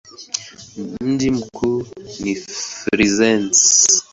Mji mkuu ni Firenze.